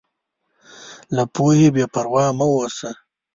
له پوهې بېپروا مه اوسه.